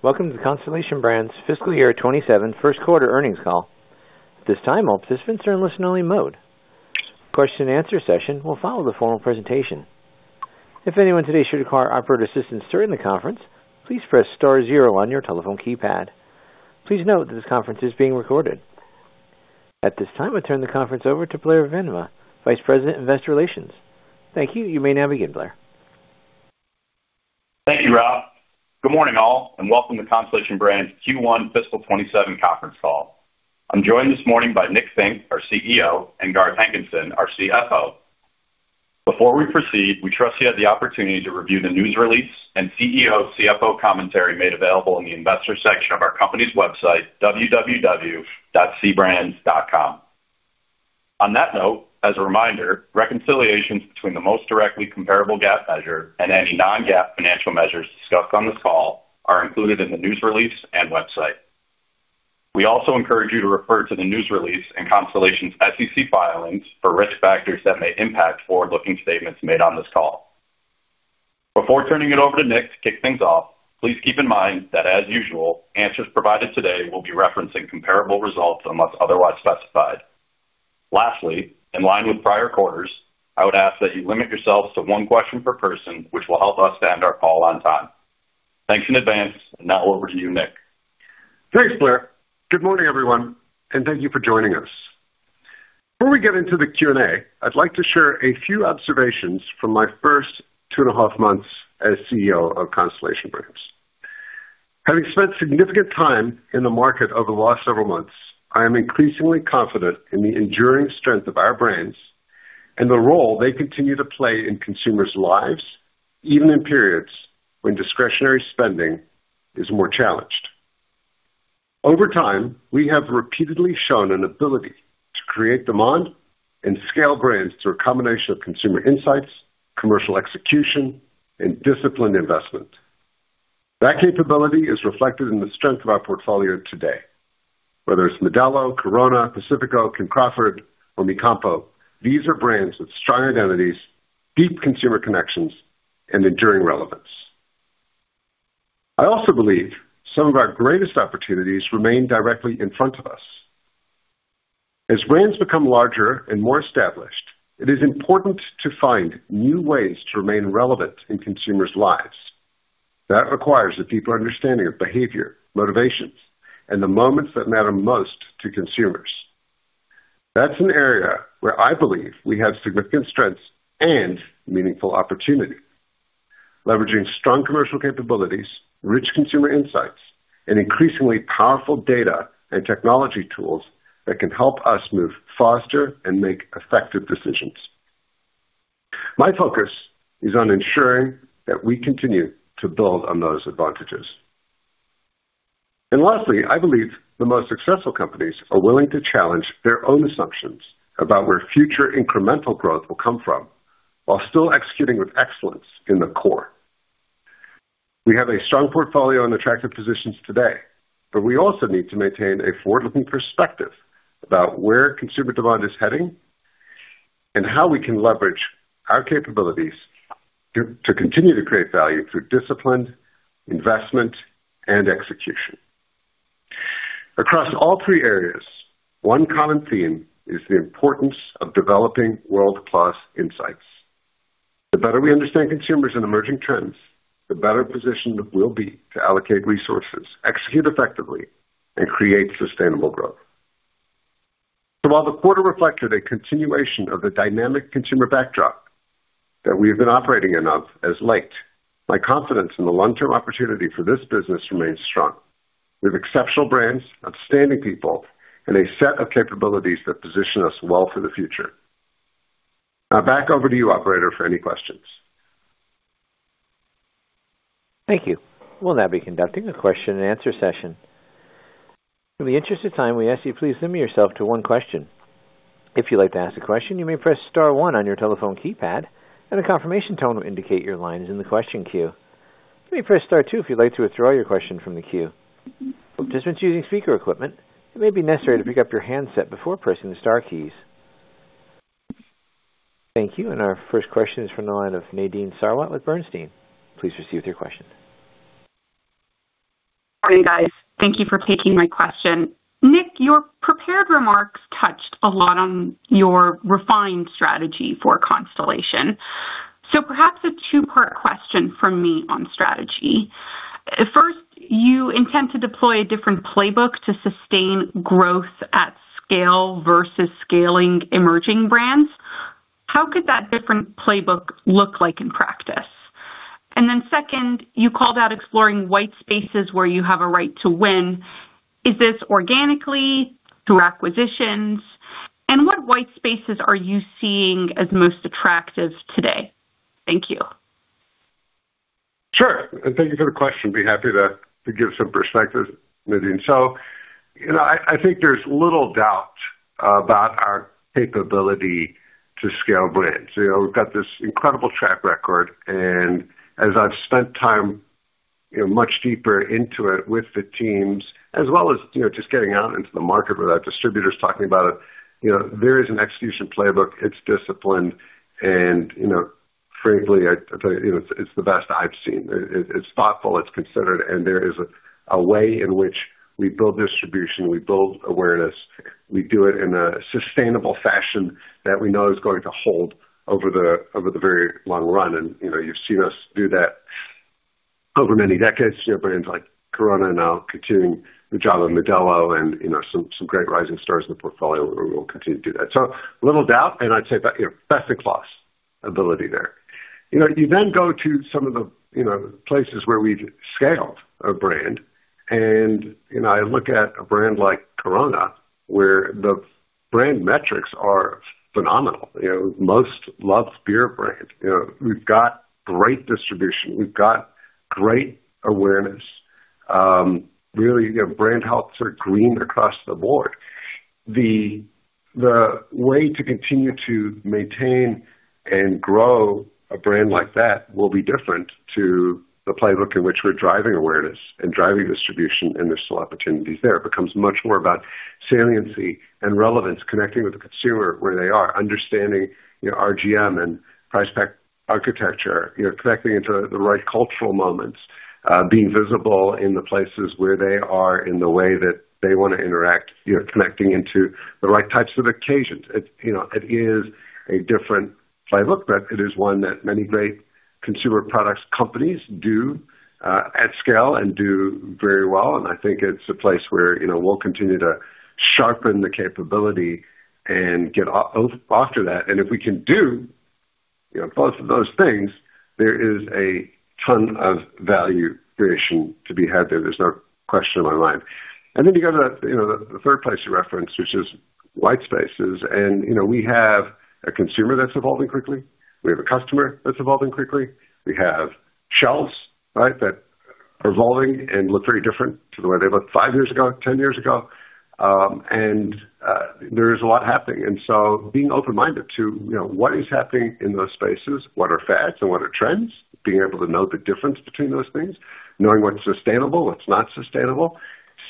Welcome to the Constellation Brands Fiscal Year 2027 first quarter earnings call. At this time, all participants are in listen-only mode. A question and answer session will follow the formal presentation. If anyone today should require operator assistance during the conference, please press star zero on your telephone keypad. Please note that this conference is being recorded. At this time, I turn the conference over to Blair Veenema, Vice President of Investor Relations. Thank you. You may now begin, Blair. Thank you, Rob. Good morning, all, and welcome to Constellation Brands Q1 Fiscal 2027 conference call. I'm joined this morning by Nick Fink, our CEO, and Garth Hankinson, our CFO. Before we proceed, we trust you had the opportunity to review the news release and CEO-CFO commentary made available in the investor section of our company’s website, www.cbrands.com. On that note, as a reminder, reconciliations between the most directly comparable GAAP measure and any non-GAAP financial measures discussed on this call are included in the news release and website. We also encourage you to refer to the news release and Constellation’s SEC filings for risk factors that may impact forward-looking statements made on this call. Before turning it over to Nick to kick things off, please keep in mind that, as usual, answers provided today will be referencing comparable results unless otherwise specified. Lastly, in line with prior quarters, I would ask that you limit yourselves to one question per person, which will help us to end our call on time. Thanks in advance. Now over to you, Nick. Thanks, Blair. Good morning, everyone, and thank you for joining us. Before we get into the Q&A, I'd like to share a few observations from my first two and a half months as CEO of Constellation Brands. Having spent significant time in the market over the last several months, I am increasingly confident in the enduring strength of our brands and the role they continue to play in consumers' lives, even in periods when discretionary spending is more challenged. Over time, we have repeatedly shown an ability to create demand and scale brands through a combination of consumer insights, commercial execution and disciplined investment. That capability is reflected in the strength of our portfolio today. Whether it's Modelo, Corona, Pacifico, Kim Crawford, or Mi CAMPO, these are brands with strong identities, deep consumer connections, and enduring relevance. I also believe some of our greatest opportunities remain directly in front of us. As brands become larger and more established, it is important to find new ways to remain relevant in consumers' lives. That requires a deeper understanding of behavior, motivations, and the moments that matter most to consumers. That's an area where I believe we have significant strengths and meaningful opportunities. We are leveraging strong commercial capabilities, rich consumer insights, and increasingly powerful data and technology tools that can help us move faster and make effective decisions. My focus is on ensuring that we continue to build on those advantages. Lastly, I believe the most successful companies are willing to challenge their own assumptions about where future incremental growth will come from while still executing with excellence in the core. We have a strong portfolio and attractive positions today we also need to maintain a forward-looking perspective about where consumer demand is heading and how we can leverage our capabilities to continue to create value through disciplined investment and execution. Across all three areas, one common theme is the importance of developing world-class insights. The better we understand consumers and emerging trends, the better positioned we'll be to allocate resources, execute effectively, and create sustainable growth. While the quarter reflected a continuation of the dynamic consumer backdrop that we have been operating of as late, my confidence in the long-term opportunity for this business remains strong. We have exceptional brands, outstanding people, and a set of capabilities that position us well for the future. Now back over to you, operator, for any questions. Thank you. We'll now be conducting a question and answer session. In the interest of time, we ask you please limit yourself to one question. If you'd like to ask a question, you may press star one on your telephone keypad, and a confirmation tone will indicate your line is in the question queue. You may press star two if you'd like to withdraw your question from the queue. Participants using speaker equipment, it may be necessary to pick up your handset before pressing the star keys. Thank you. Our first question is from the line of Nadine Sarwat with Bernstein. Please proceed with your question. Morning, guys. Thank you for taking my question. Nick, your prepared remarks touched a lot on your refined strategy for Constellation. Perhaps a two-part question from me on strategy. First, you intend to deploy a different playbook to sustain growth at scale versus scaling emerging brands. What could that different playbook look like in practice? Second, you called out exploring white spaces where you have a right to win. Is this organically, through acquisitions? What white spaces are you seeing as most attractive today? Thank you. Thank you for the question. Be happy to give some perspective, Nadine. I think there's little doubt about our capability to scale brands. We've got this incredible track record, and as I've spent time much deeper into it with the teams, as well as just getting out into the market with our distributors talking about it, there is an execution playbook. It's disciplined, and, you know, frankly, it's the best I've seen. It's thoughtful, it's considered, and there is a way in which we build distribution, we build awareness, we do it in a sustainable fashion that we know is going to hold over the very long run. You've seen us do that over many decades, brands like Corona now continuing the job of Modelo and some great rising stars in the portfolio. We will continue to do that. A little doubt, and I'd say that's a capability there. You then go to some of the places where we've scaled a brand, and I look at a brand like Corona, where the brand metrics are phenomenal. Most loved beer brand. We've got great distribution, we've got great awareness. Really, brand health sort of green across the board. The way to continue to maintain and grow a brand like that will be different to the playbook in which we're driving awareness and driving distribution, and there are still opportunities there. It becomes much more about saliency and relevance, connecting with the consumer where they are, understanding RGM and price-pack architecture, connecting into the right cultural moments, being visible in the places where they are in the way that they want to interact, connecting into the right types of occasions. It is a different playbook, but it is one that many great consumer products companies do at scale and do very well. I think it's a place where we'll continue to sharpen the capability and get after that. If we can do both of those things, there is a ton of value creation to be had there. There's no question in my mind. Then you go to the third place you referenced, which is white spaces, and we have a consumer that's evolving quickly. We have a customer that's evolving quickly. We have shelves that are evolving and look very different to the way they looked five years ago, 10 years ago. There is a lot happening. Being open-minded to what is happening in those spaces, what are fads and what are trends, being able to know the difference between those things, knowing what's sustainable, what's not sustainable,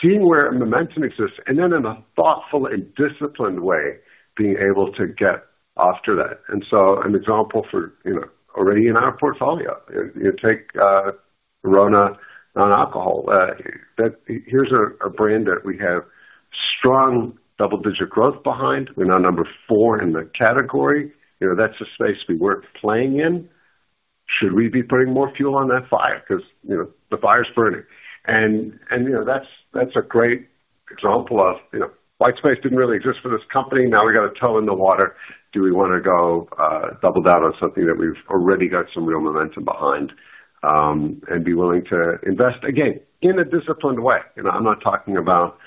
seeing where momentum exists, and then in a thoughtful and disciplined way, being able to get after them. An example for already in our portfolio, you take Corona Non-Alcoholic. Here's a brand that we have strong double-digit growth behind. We're now number four in the category. That's a space we weren't playing in. Should we be putting more fuel on that fire because the fire is burning? That's a great example of white space didn't really exist for this company. Now we've got a toe in the water. Do we want to go double down on something that we've already got some real momentum behind, and be willing to invest, again, in a disciplined way? I'm not talking about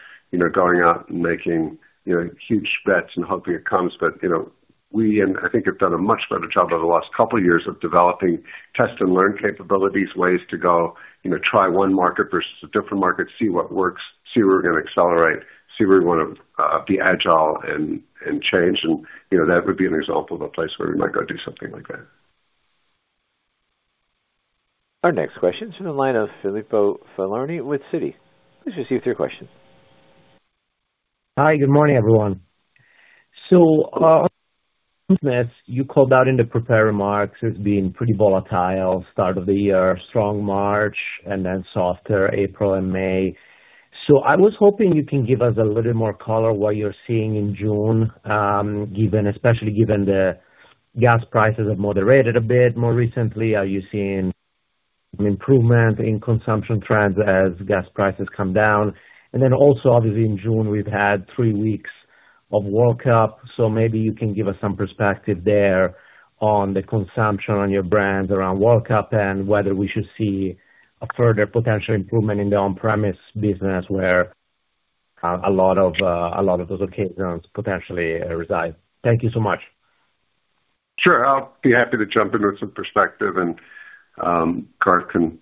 going out and making huge bets and hoping it comes, but we have, I think done a much better job over the last couple of years of developing test and learn capabilities, ways to go try one market versus a different market, see what works, see where we're going to accelerate, see where we want to be agile and change. That would be an example of a place where we might go do something like that. Our next question is in the line of Filippo Falorni with Citi. Please just give us your question. Hi, good morning, everyone. You called out in the prepared remarks as being pretty volatile start of the year, strong March, then softer April and May. I was hoping you can give us a little more color what you're seeing in June, especially given the gas prices have moderated a bit more recently. Are you seeing an improvement in consumption trends as gas prices come down? Also, obviously, in June, we've had three weeks of World Cup, maybe you can give us some perspective there on the consumption on your brand around World Cup and whether we should see a further potential improvement in the on-premise business where a lot of those occasions potentially reside. Thank you so much. Sure. I'll be happy to jump in with some perspective, and Garth can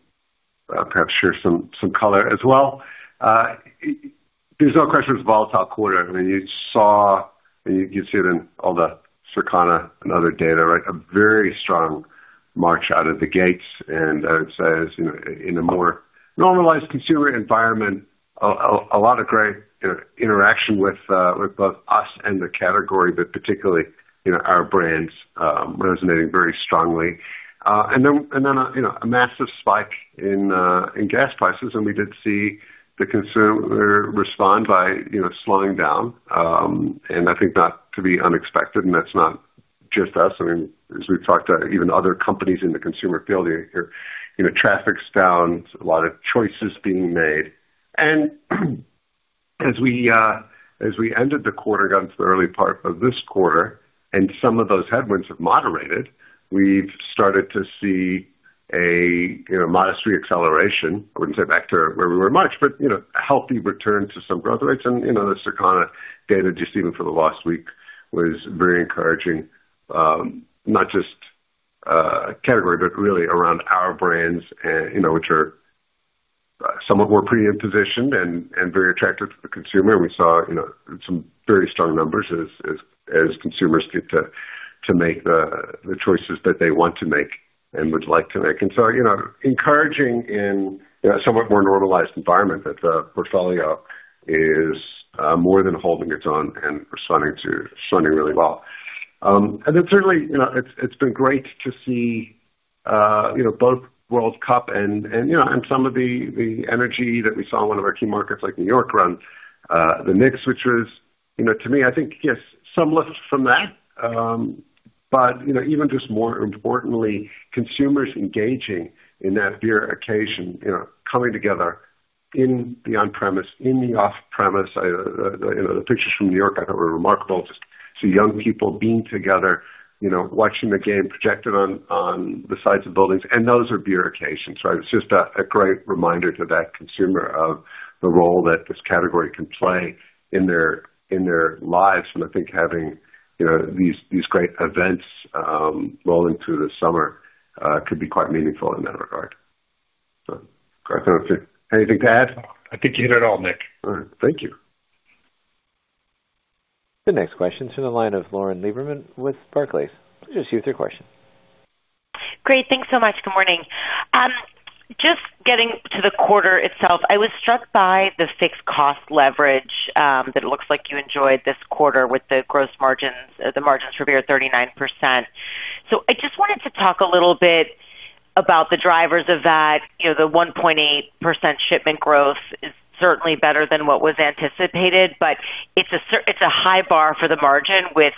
perhaps share some color as well. There's no question it's a volatile quarter. You saw, and you can see it in all the Circana and other data, a very strong March out of the gates and I would say in a more normalized consumer environment, a lot of great interaction with both us and the category, but particularly, our brands resonating very strongly. A massive spike in gas prices, and we did see the consumer respond by slowing down. I think that to be unexpected, and that's not just us. As we've talked to even other companies in the consumer field, traffic's down, a lot of choices being made. As we ended the quarter, got into the early part of this quarter, some of those headwinds have moderated, we've started to see a modest re-acceleration, I wouldn't say back to where we were in March, but a healthy return to some growth rates. The Circana data, just even for the last week, was very encouraging. Not just category, but really around our brands, which are somewhat more premium positioned and very attractive to the consumer. We saw some very strong numbers as consumers get to make the choices that they want to make and would like to make. Encouraging in a somewhat more normalized environment that the portfolio is more than holding its own and performing really well. Certainly, it's been great to see both World Cup and some of the energy that we saw in one of our key markets like New York around the Knicks, which gave, to me, I think, yes, some lift from that. Even more importantly, consumers engaging in that beer occasion, coming together in the on-premise, in the off-premise. The pictures from New York, I thought, were remarkable. Just to see young people being together, watching the game projected on the sides of buildings, and those are beer occasions, right? It's just a great reminder to that consumer of the role that this category can play in their lives. I think having these great events rolling through the summer could be quite meaningful in that regard. Garth, I don't know if you have anything to add? I think you hit it all, Nick. All right. Thank you. The next question is from the line of Lauren Lieberman with Barclays. Please proceed with your question. Great. Thanks so much. Good morning. Just getting to the quarter itself, I was struck by the fixed cost leverage that looks like you enjoyed this quarter with the gross margins, the margins for beer at 39%. I just wanted to talk a little bit about the drivers of that. The 1.8% shipment growth is certainly better than what was anticipated, but it's a high bar for the margin with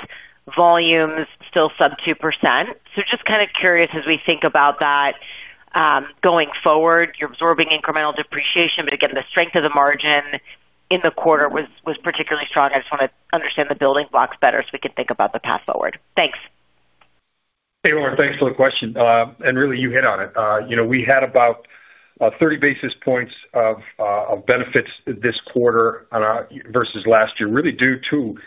volumes still sub 2%. Just kind of curious as we think about that going forward, you're absorbing incremental depreciation, but again, the strength of the margin in the quarter was particularly strong. I just want to understand the building blocks better so we can think about the path forward. Thanks. Hey, Lauren, thanks for the question. Really, you hit on it. We had about 30 basis points of benefits this quarter versus last year, really due to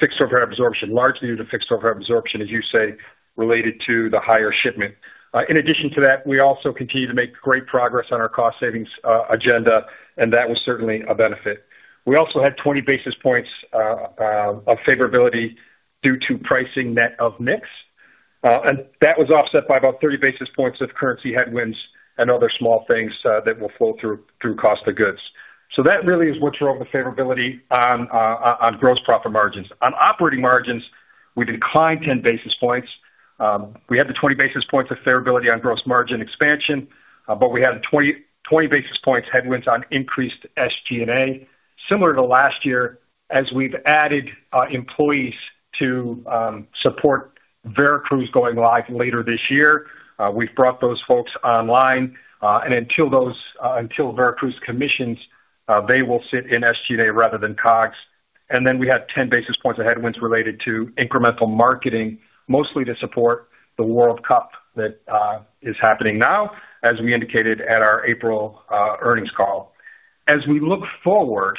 fixed overhead absorption, as you say, related to the higher shipment. In addition to that, we also continue to make great progress on our cost savings agenda, that was certainly a benefit. We also had 20 basis points of favorability due to pricing net of mix. That was offset by about 30 basis points of currency headwinds and other small things that will flow through cost of goods. That really is what drove the favorability on gross profit margins. On operating margins, we declined 10 basis points. We had the 20 basis points of favorability on gross margin expansion, we had 20-basis-points headwinds on increased SG&A. Similar to last year, as we've added employees to support Veracruz going live later this year, we've brought those folks online, until Veracruz commissions, they will sit in SG&A rather than COGS. Then we had 10 basis points of headwinds related to incremental marketing, mostly to support the World Cup that is happening now, as we indicated at our April earnings call. As we look forward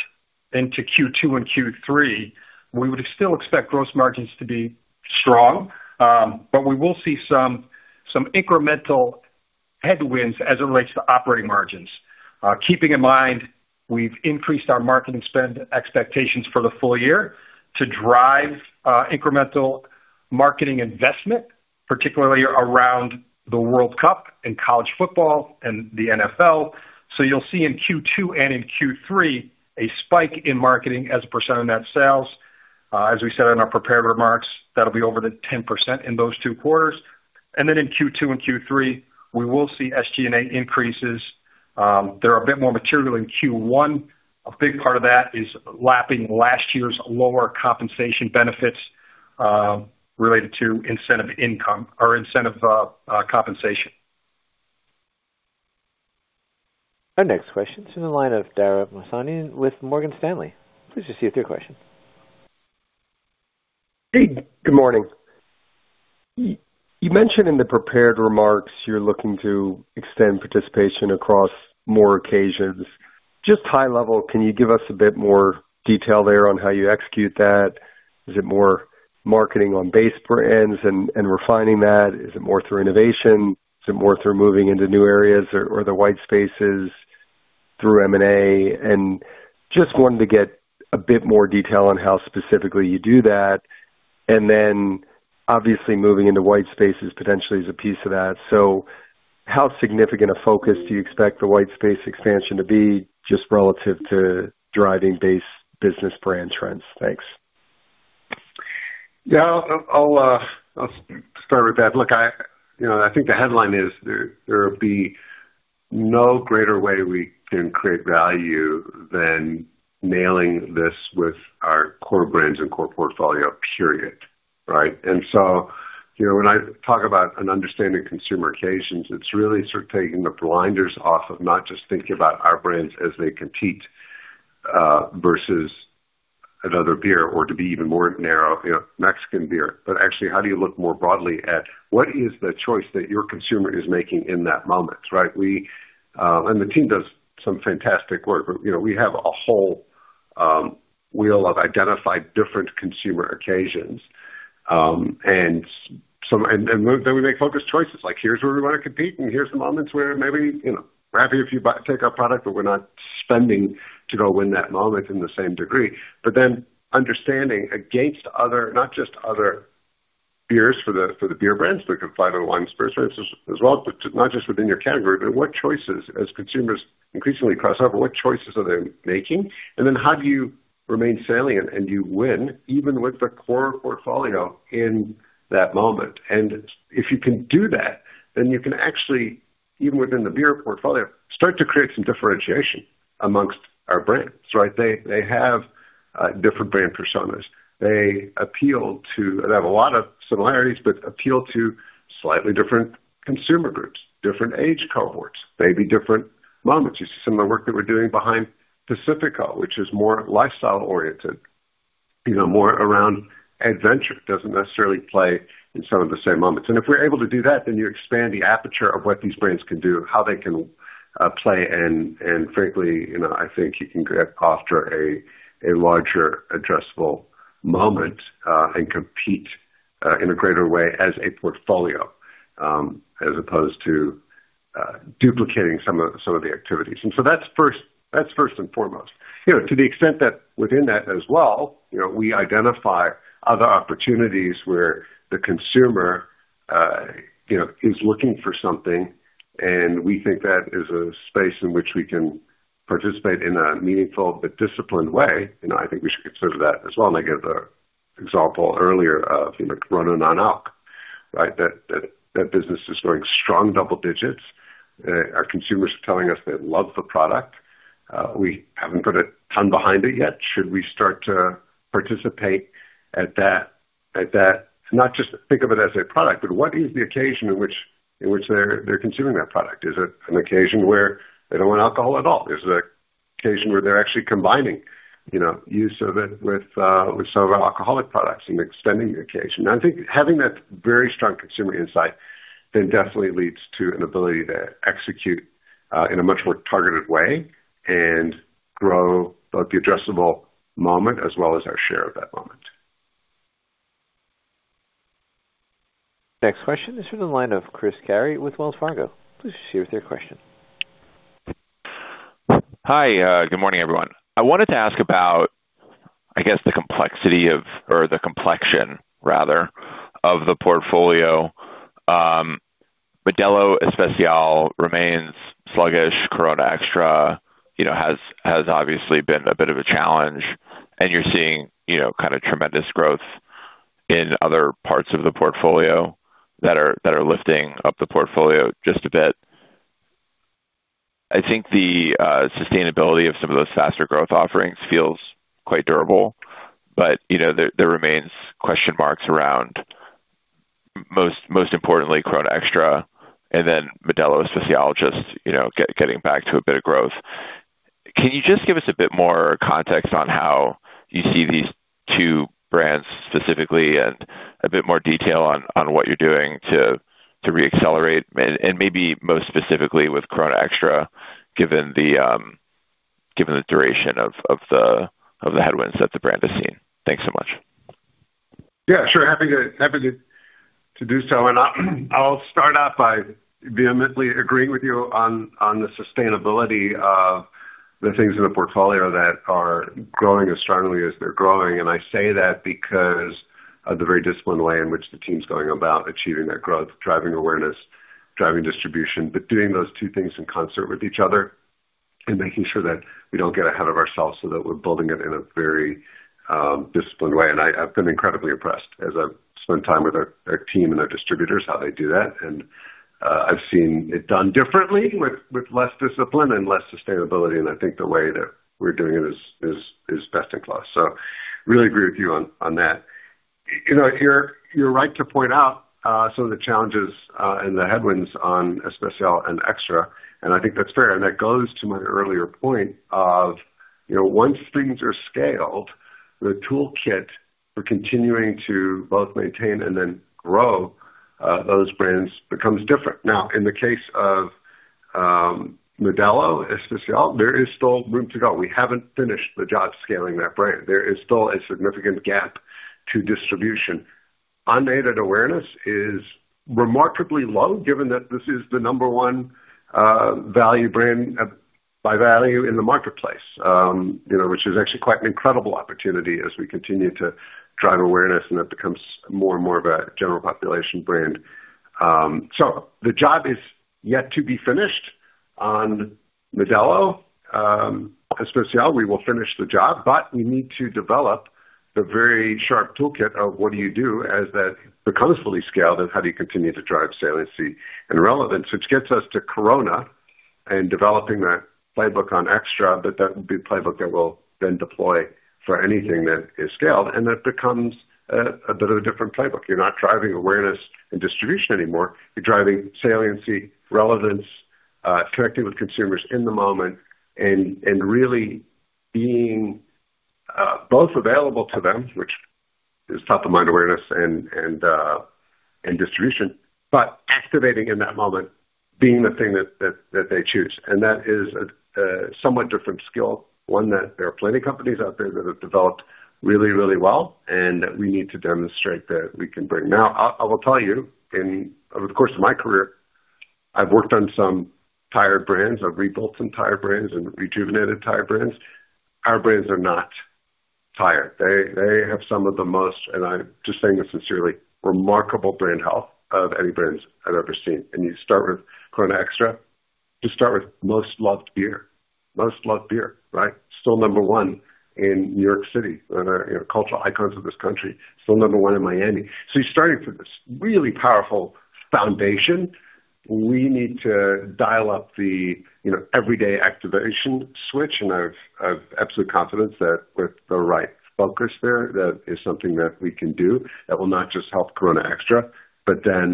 into Q2 and Q3, we would still expect gross margins to be strong, we will see some incremental headwinds as it relates to operating margins. Keep in mind, we've increased our marketing spend expectations for the full year to drive incremental marketing investment, particularly around the World Cup and college football and the NFL. You'll see in Q2 and in Q3 a spike in marketing as a percent of net sales. As we said in our prepared remarks, that'll be over the 10% in those two quarters. In Q2 and Q3, we will see SG&A increases. They're a bit more material in Q1. A big part of that is lapping last year's lower compensation benefits related to incentive income or incentive compensation. Our next question is from the line of Dara Mohsenian with Morgan Stanley. Please proceed with your question. Hey, good morning. You mentioned in the prepared remarks you're looking to extend participation across more occasions. Just high-level, can you give us a bit more detail there on how you execute that? Is it more marketing on base brands and refining that? Is it more through innovation? Is it more through moving into new areas or the white spaces through M&A? Just wanted to get a bit more detail on how specifically you do that. Obviously moving into white spaces potentially is a piece of that. So how significant a focus do you expect the white space expansion to be just relative to driving base business brand trends? Thanks. Yeah, I'll start with that. Look, I think the headline is there would be no greater way we can create value than nailing this with our core brands and core portfolio, period. So, when I talk about and understanding consumer occasions, it's really about taking the blinders off of not just thinking about our brands as they compete versus another beer or to be even more narrow, Mexican beer. Actually, how do you look more broadly at what is the choice that your consumer is making in that moment? The team does some fantastic work. We have a whole wheel of identified different consumer occasions. Then we make focused choices, like here's where we want to compete, and here's the moments where maybe we're happy if you take our product, but we're not spending to go win that moment in the same degree. Understanding against others, not just other beers for the beer brands, but could apply to the wine spirits as well, but not just within your category, but what choices as consumers increasingly cross over, what choices are they making? How do you remain salient and do you win even with the core portfolio in that moment? If you can do that, you can actually even within the beer portfolio, start to create some differentiation amongst our brands. They have different brand personas. They have a lot of similarities, but appeal to slightly different consumer groups, different age cohorts, maybe different moments. You see some of the work that we're doing behind Pacifico, which is more lifestyle oriented, more around adventure. Doesn't necessarily play in some of the same moments. If we're able to do that, you expand the aperture of what these brands can do, how they can play and frankly, I think you can offer a larger addressable moment, and compete in a greater way as a portfolio, as opposed to duplicating some of the activities. That's first and foremost. To the extent that within that as well, we identify other opportunities where the consumer is looking for something, and we think that is a space in which we can participate in a meaningful but disciplined way. I think we should consider that as well, and I gave the example earlier of Corona Non-Alcoholic. That business is growing strong double digits. Our consumers are telling us they love the product. We haven't put a ton behind it yet. Should we start to participate at that, not just think of it as a product, but what is the occasion in which consumers are consuming that product? Is it an occasion where they don't want alcohol at all? Is it an occasion where they're actually combining use of it with some of our alcoholic products and extending the occasion? I think having that very strong consumer insight then definitely leads to an ability to execute in a much more targeted way and grow both the addressable moment as well as our share of that moment. Next question is from the line of Chris Carey with Wells Fargo. Please share with your question. Hi, good morning, everyone. I wanted to ask about, I guess, the complexity of, or the complexion rather, of the portfolio. Modelo Especial remains sluggish. Corona Extra has obviously been a bit of a challenge. You're seeing tremendous growth in other parts of the portfolio that are lifting up the portfolio just a bit. I think the sustainability of some of those faster growth offerings feels quite durable, but there remains question marks around most importantly, Corona Extra, and then Modelo Especial just getting back to a bit of growth. Can you just give us a bit more context on how you see these two brands specifically and a bit more detail on what you're doing to re-accelerate and maybe most specifically with Corona Extra, given the duration of the headwinds that the brand has seen? Thanks so much. Yeah, sure. Happy to do so. I'll start off by vehemently agreeing with you on the sustainability of the things in the portfolio that are growing as strongly as they're growing. I say that because of the very disciplined way in which the team's going about achieving that growth, driving awareness, driving distribution, but doing those two things in concert with each other and making sure that we don't get ahead of ourselves so that we're building it in a very disciplined way. I've been incredibly impressed as I've spent time with our team and our distributors, how they do that. I've seen it done differently with less discipline and less sustainability. I think the way that we're doing it is best-in-class. Really agree with you on that. You're right to point out some of the challenges, and the headwinds on Especial and Extra, and I think that's fair. That goes to my earlier point of, once things are scaled, the toolkit for continuing to both maintain and then grow those brands becomes different. In the case of Modelo Especial, there is still room to grow. We haven't finished the job scaling that brand. There is still a significant gap to distribution. Unaided awareness is remarkably low given that this is the number one value brand by value in the marketplace, which is actually quite an incredible opportunity as we continue to drive awareness, and it becomes more and more of a general population brand. The job is yet to be finished on Modelo Especial. We will finish the job, but we need to develop the very sharp toolkit of what do you do as that becomes fully scaled, and how do you continue to drive saliency and relevance, which gets us to Corona and developing that playbook on Extra. That will be a playbook that will then deploy for anything that is scaled, and that becomes a bit of a different playbook. You're not driving awareness and distribution anymore. You're driving saliency, relevance, connecting with consumers in the moment, and really being both available to them, which is top of mind awareness and distribution. Activating in that moment, being the thing that they choose. That is a somewhat different skill. One that there are plenty of companies out there that have developed really well, and that we need to demonstrate that we can bring. I will tell you, over the course of my career, I've worked on some tired brands. I've rebuilt some tired brands and rejuvenated tired brands. Our brands are not tired. They have some of the most, and I'm just saying this sincerely, remarkable brand health of any brands I've ever seen. You start with Corona Extra as the start with most loved beer. Most loved beer, right? Still number one in New York City, one of the cultural icons of this country, still number one in Miami. You're starting from this really powerful foundation. We need to dial up the everyday activation switch, I have absolute confidence that with the right focus there, that is something that we can do that will not just help Corona Extra, will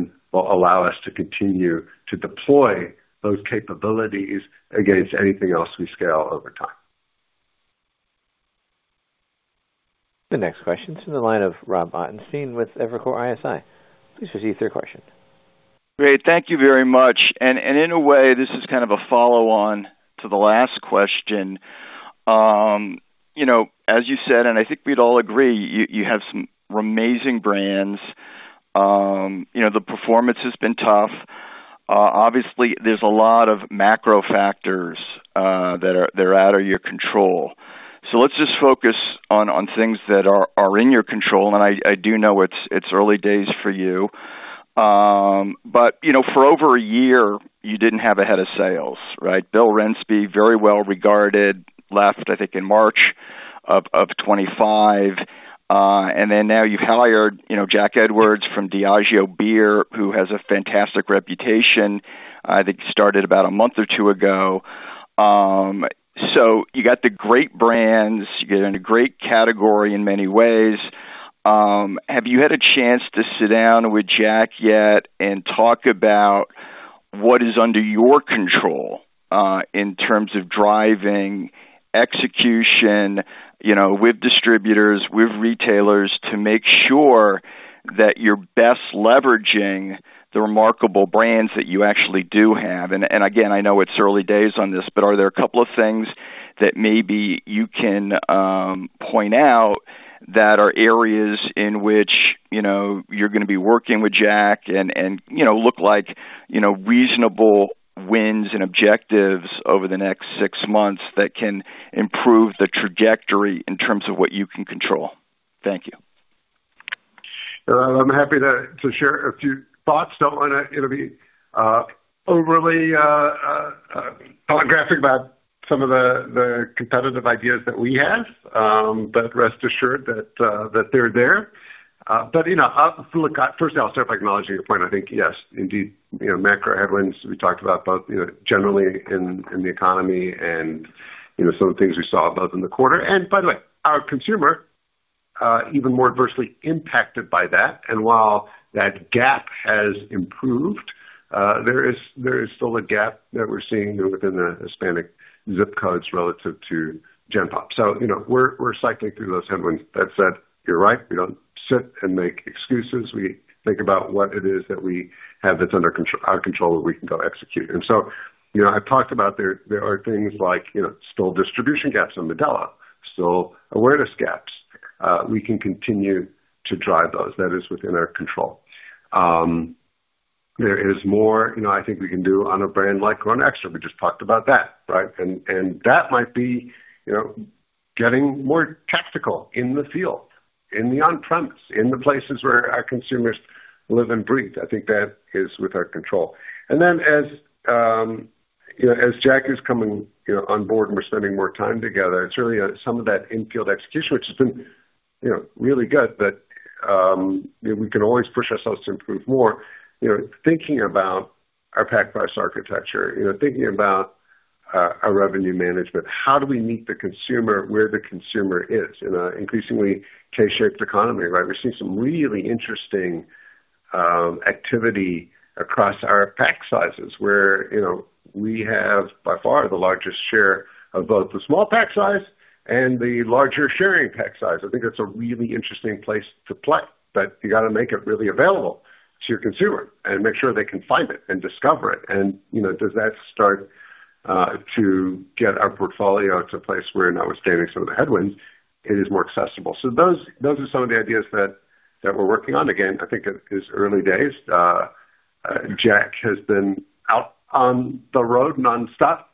allow us to continue to deploy those capabilities against anything else we scale over time. The next question is in the line of Rob Ottenstein with Evercore ISI. Please proceed with your question. Great. Thank you very much. In a way, this is kind of a follow-on to the last question. As you said, I think we'd all agree, you have some amazing brands. The performance has been tough. Obviously, there's a lot of macro factors that are out of your control. Let's just focus on things that are in your control, I do know it's early days for you. For over a year, you didn't have a head of sales, right? Bill Newlands, very well regarded, retired, I think, in April of 2026. Now you've hired Jack Edwards from Diageo Beer Company who has a fantastic reputation, I think started about a month or two ago. You got the great brands. You're in a great category in many ways. Have you had a chance to sit down with Jack yet and talk about what is under your control in terms of driving execution with distributors, with retailers, to make sure that you're best leveraging the remarkable brands that you actually do have? Again, I know it's early days on this, are there a couple of things that maybe you can point out that are areas in which you're going to be working with Jack and look like reasonable wins and objectives over the next six months that can improve the trajectory in terms of what you can control? Thank you. I'm happy to share a few thoughts. Don't want to be overly telegraphic about some of the competitive ideas that we have, but rest assured that they're there. Firstly, I'll start by acknowledging your point. I think, yes, indeed, macro headwinds, we talked about both, generally in the economy and some of the things we saw both in the quarter. By the way, our consumer, even more adversely impacted by that. While that gap has improved, there is still a gap that we're seeing within the Hispanic ZIP codes relative to gen pop. We're cycling through those headwinds. That said, you're right. We don't sit and make excuses. We think about what it is that we have that's under our control that we can go execute. I've talked about there are things like, still distribution gaps on Modelo. Still awareness gaps. We can continue to drive those. That is within our control. There is more I think we can do on a brand like Corona Extra. We just talked about that, right? That might be getting more tactical in the field, in the on-premise, in the places where our consumers live and breathe. I think that is with our control. As Jack is coming on board and we're spending more time together, it's really some of that in-field execution, which has been really good, but we can always push ourselves to improve more. Thinking about our pack-price architecture, thinking about our revenue management. How do we meet the consumer where the consumer is in an increasingly K-shaped economy, right? We're seeing some really interesting activity across our pack sizes, where we have by far the largest share of both the small pack size and the larger sharing pack size. I think that's a really interesting place to play, but you got to make it really available to your consumer and make sure they can find it and discover it. Does that start to get our portfolio to a place where, notwithstanding some of the headwinds, it is more accessible? Those are some of the ideas that we're working on. Again, I think it is early days. Jack has been out on the road nonstop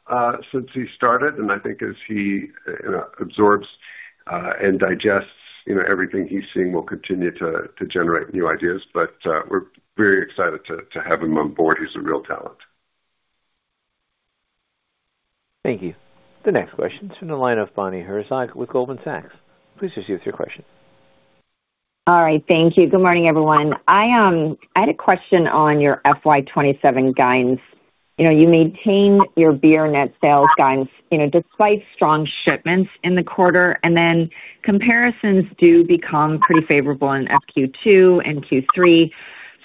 since he started, I think as he absorbs and digests everything he's seeing, we will continue to generate new ideas. We're very excited to have him on board. He's a real talent. Thank you. The next question is from the line of Bonnie Herzog with Goldman Sachs. Please proceed with your question. All right. Thank you. Good morning, everyone. I had a question on your FY 2027 guidance. You maintain your beer net sales guidance despite strong shipments in the quarter, comparisons do become pretty favorable in Q2 and Q3.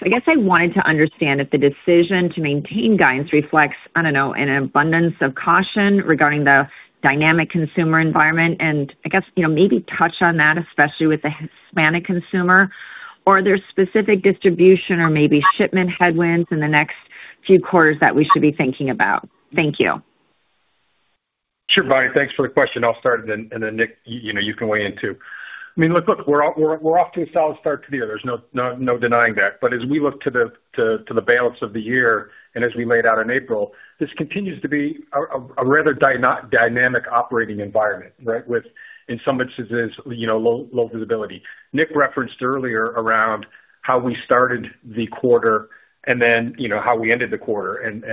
I guess I wanted to understand if the decision to maintain guidance reflects, I don't know, an abundance of caution regarding the dynamic consumer environment, and I guess, maybe touch on that, especially with the Hispanic consumer. Are there specific distribution or maybe shipment headwinds in the next few quarters that we should be thinking about? Thank you. Sure, Bonnie. Thanks for the question. I'll start, Nick, you can weigh in, too. I mean, look, we're off to a solid start to the year. There's no denying that. As we look to the balance of the year, and as we laid out in April, this continues to be a rather dynamic operating environment, right? With, in some instances, low visibility. Nick referenced earlier around how we started the quarter and then how we ended the quarter and,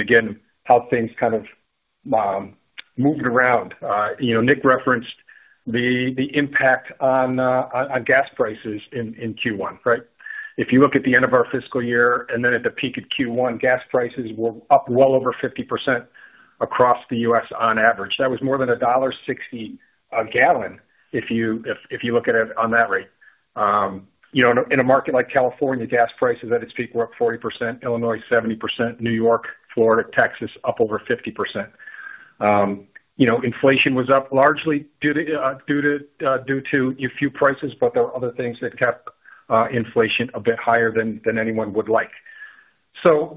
again, how things kind of moved around. The impact on gas prices in Q1, right? If you look at the end of our fiscal year, at the peak of Q1, gas prices were up well over 50% across the U.S. on average. That was more than $1.60 a gallon, if you look at it on that rate. In a market like California, gas prices at its peak were up 40%, Illinois, 70%, New York, Florida, Texas, up over 50%. Inflation was up largely due to a few prices, there were other things that kept inflation a bit higher than anyone would like.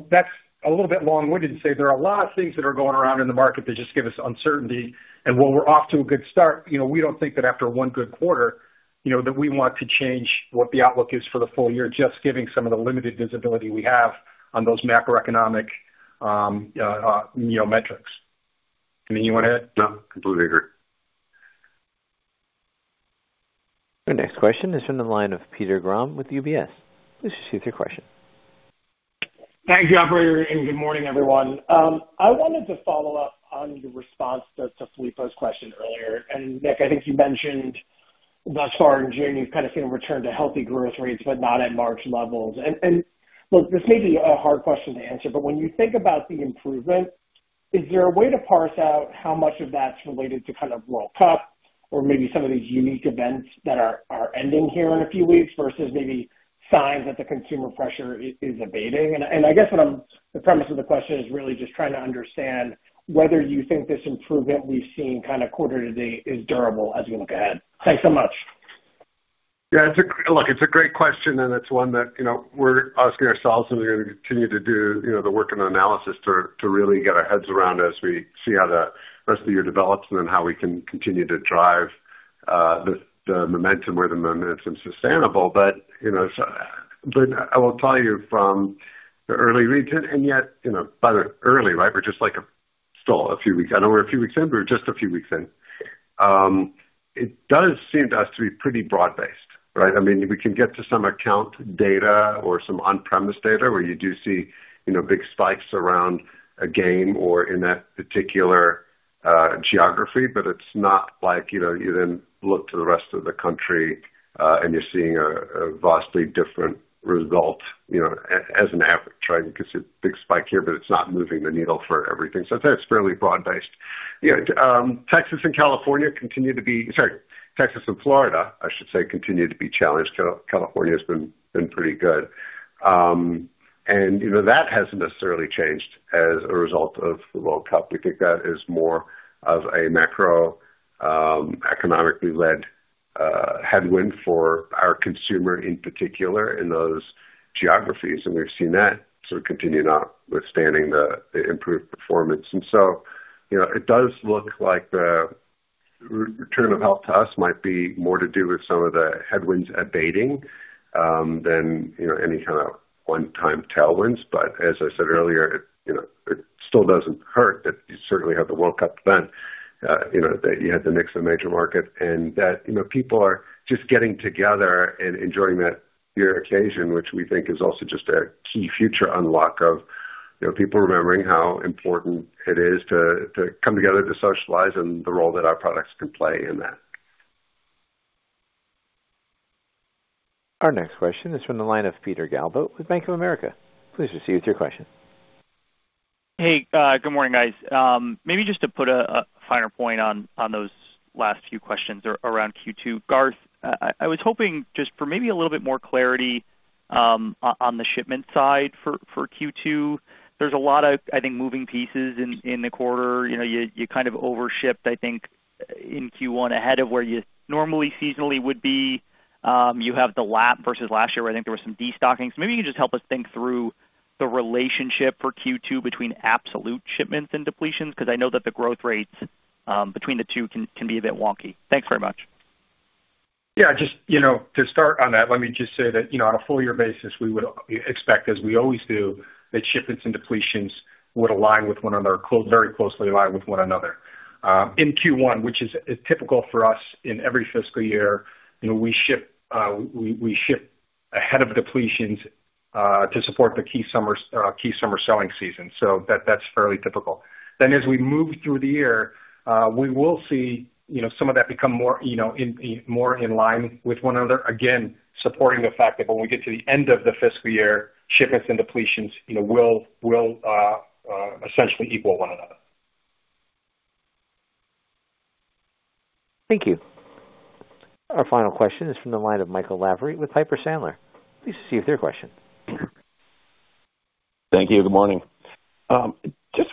That's a little bit long-winded to say there are a lot of things that are going around in the market that just give us uncertainty. While we're off to a good start, we don't think that after one good quarter that we want to change what the outlook is for the full year, just given some of the limited visibility we have on those macroeconomic metrics. Anything you want to add? No, completely agree. Our next question is from the line of Peter Grom with UBS. Please proceed with your question. Thank you, operator, and good morning, everyone. I wanted to follow up on your response to Filippo's question earlier. Nick, I think you mentioned thus far in June, you've kind of seen a return to healthy growth rates, but not at March levels. Look, this may be a hard question to answer, but when you think about the improvement, is there a way to parse out how much of that's related to World Cup or maybe some of these unique events that are ending here in a few weeks versus maybe signs that the consumer pressure is abating? I guess the premise of the question is really just trying to understand whether you think this improvement we've seen kind of quarter to date is durable as we look ahead. Thanks so much. Yeah, look, it's a great question, and it's one that we're asking ourselves, and we're gonna continue to do the work and the analysis to really get our heads around as we see how the rest of the year develops and then how we can continue to drive the momentum where the momentum's sustainable. I will tell you from the early reads, and yet, by the early, right, we're just like still a few weeks. I know we're a few weeks in, but we're just a few weeks in. It does seem to us to be pretty broad-based, right? We can get to some account data or some on-premise data where you do see big spikes around a game or in that particular geography, but it's not like you then look to the rest of the country, and you're seeing a vastly different result as an average. You can see a big spike here, but it's not moving the needle for everything. I'd say it's fairly broad-based. Texas and California continue to be challenged. Texas and Florida, I should say, continue to be challenged. California has been pretty good. That hasn't necessarily changed as a result of the World Cup. We think that is more of a macroeconomically led headwind for our consumer, in particular, in those geographies. We've seen that sort of continuation notwithstanding the improved performance. It does look like the return of health to us might be more to do with some of the headwinds abating than any kind of one-time tailwinds. As I said earlier, it still doesn't hurt that you certainly have the World Cup event, that you have the mix of major market, and that people are just getting together and enjoying that occasion, which we think is also just a key future unlock of people remembering how important it is to come together to socialize and the role that our products can play in that. Our next question is from the line of Peter Galbo with Bank of America. Please proceed with your question. Hey, good morning, guys. Maybe just to put a finer point on those last few questions around Q2. Garth, I was hoping just for maybe a little bit more clarity on the shipment side for Q2. There's a lot of, I think, moving pieces in the quarter. Your kind of over-shipped, I think, in Q1 ahead of where you normally seasonally would be. You have the lap versus last year where I think there was some destocking. Maybe you can just help us think through the relationship for Q2 between absolute shipments and depletions, because I know that the growth rates between the two can be a bit wonky. Thanks very much. Yeah, just to start on that, let me just say that on a full year basis, we would expect, as we always do, that shipments and depletions would align with one another, very closely align with one another. In Q1, which is typical for us in every fiscal year, we ship ahead of depletions to support the key summer selling season. That's fairly typical. Aa we move through the year, we will see some of that become more in line with one another, again, supporting the fact that when we get to the end of the fiscal year, shipments and depletions will essentially equal one another. Thank you. Our final question is from the line of Michael Lavery with Piper Sandler. Please proceed with your question. Thank you. Good morning. Just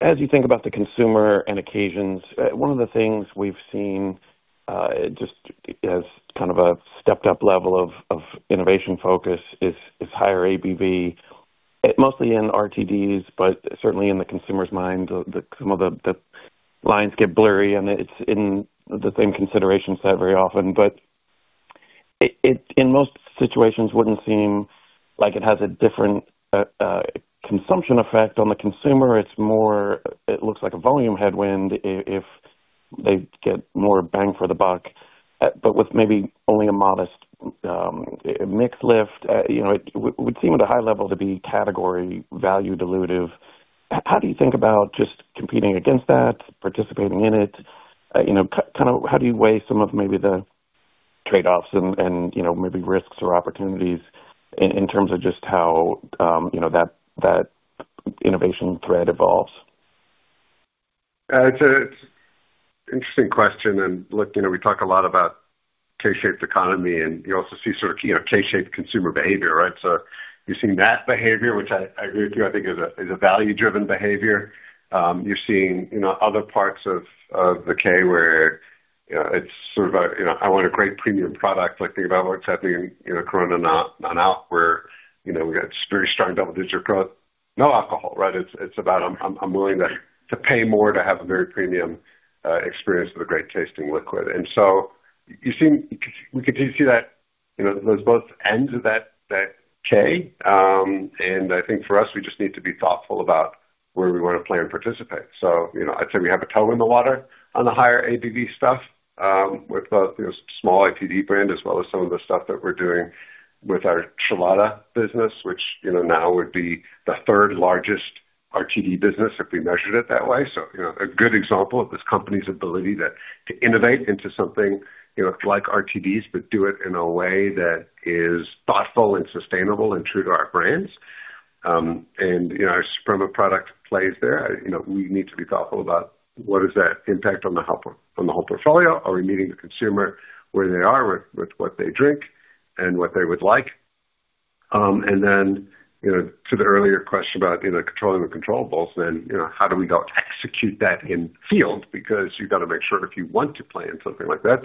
as you think about the consumer and occasions, one of the things we've seen, just as kind of a stepped-up level of innovation focus is higher ABV, mostly in RTDs, but certainly in the consumer's mind, some of the lines get blurry, and it's in the same consideration set very often. It, in most situations, wouldn't seem like it has a different consumption effect on the consumer. It's more, it looks like a volume headwind, if they get more bang for the buck with maybe only a modest mix lift. It would seem at a high level to be category value-dilutive. How do you think about just competing against that, participating in it? How do you weigh some of maybe the trade-offs and maybe risks or opportunities in terms of just how that innovation thread evolves? It's an interesting question. Look, we talk a lot about K-shaped economy, and you also see sort of K-shaped consumer behavior, right? You're seeing that behavior, which I agree with you, I think is a value-driven behavior. You're seeing other parts of the K where it's sort of a, I want a great premium product, like think about what's happening in Corona Non-Alcoholic where we've got very strong double-digit growth, no alcohol, right? It's about I'm willing to pay more to have a very premium experience with a great tasting liquid. We continue to see those both ends of that K. I think for us, we just need to be thoughtful about where we want to play and participate. I'd say we have a toe in the water on the higher ABV stuff, with both our small RTD brand as well as some of the stuff that we're doing with our Chelada business, which now would be the third largest RTD business if we measured it that way. A good example of this company's ability to innovate into something like RTDs but do it in a way that is thoughtful and sustainable and true to our brands. Our Spritzer product plays there. We need to be thoughtful about what is that impact on the whole portfolio. Are we meeting the consumer where they are with what they drink and what they would like? Then to the earlier question about controlling the controllables, then how do we go execute that in field? You've got to make sure if you want to play in something like that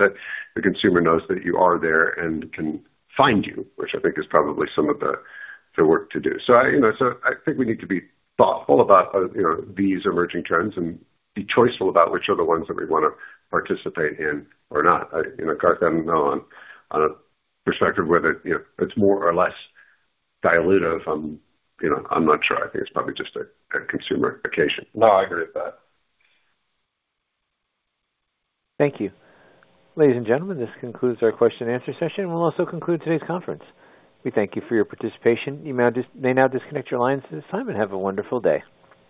the consumer knows that you are there and can find you, which I think is probably some of the work to do. I think we need to be thoughtful about these emerging trends and be choiceful about which are the ones that we want to participate in or not. Garth, I don't know, from a perspective whether it's more or less dilutive, I'm not sure. I think it's probably just a consumer occasion. I agree with that. Thank you. Ladies and gentlemen, this concludes our question and answer session, and we'll also conclude today's conference. We thank you for your participation. You may now disconnect your lines. Simon, have a wonderful day.